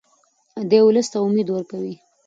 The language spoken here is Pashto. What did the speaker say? دی ولس ته امید ورکوي.